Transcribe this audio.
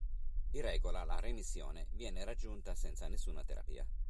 Di regola la remissione viene raggiunta senza nessuna terapia.